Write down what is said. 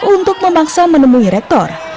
untuk memaksa menemui rektor